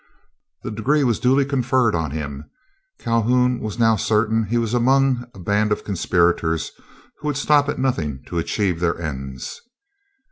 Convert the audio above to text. The degree was duly conferred on him. Calhoun was now certain he was among a band of conspirators who would stop at nothing to achieve their ends.